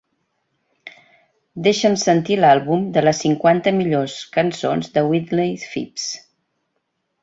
Deixa'm sentir l'àlbum de les cinquanta millors cançons de Wintley Phipps.